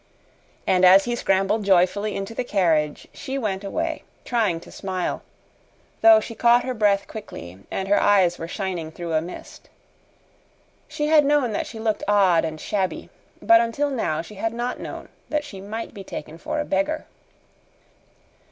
And as he scrambled joyfully into the carriage she went away, trying to smile, though she caught her breath quickly and her eyes were shining through a mist. She had known that she looked odd and shabby, but until now she had not known that she might be taken for a beggar.